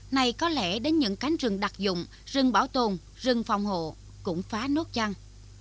này có lẽ đến những cánh rừng đặc dụng rừng bảo tồn rừng phòng hộ cũng phá nốt chăng